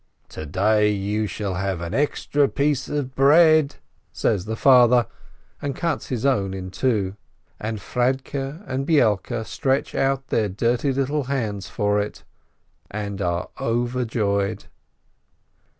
"To day you shall have an extra piece of bread," says the father, and cuts his own in two, and Fradke and Beilke stretch out their dirty little hands for it, and are overjoyed.